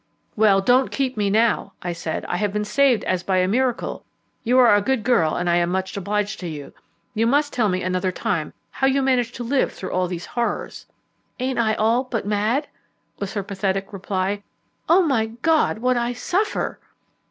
"Well, don't keep me now," I said; "I have been saved as by a miracle. You are a good girl; I am much obliged to you. You must tell me another time how you manage to live through all these horrors." "Ain't I all but mad?" was her pathetic reply. "Oh, my God, what I suffer!"